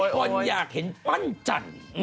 คนอยากเห็นปั้นจันทร์